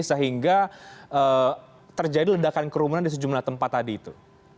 sehingga terjadi ledakan kerumunan di sejumlah tempat tadi itu